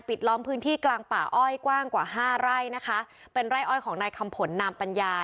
ล้อมพื้นที่กลางป่าอ้อยกว้างกว่าห้าไร่นะคะเป็นไร่อ้อยของนายคำผลนามปัญญา